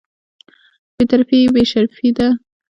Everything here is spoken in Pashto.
بې طرفي یې بې شرفي نه وه.